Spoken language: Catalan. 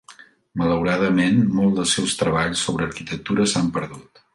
Malauradament, molts dels seus treballs sobre arquitectura s'han perdut.